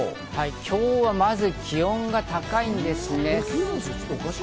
今日は気温が高いんですね。